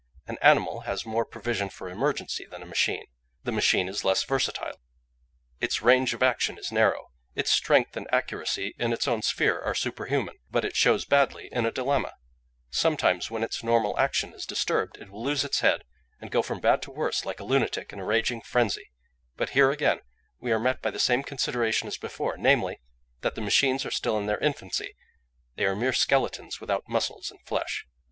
An animal has more provision for emergency than a machine. The machine is less versatile; its range of action is narrow; its strength and accuracy in its own sphere are superhuman, but it shows badly in a dilemma; sometimes when its normal action is disturbed, it will lose its head, and go from bad to worse like a lunatic in a raging frenzy: but here, again, we are met by the same consideration as before, namely, that the machines are still in their infancy; they are mere skeletons without muscles and flesh.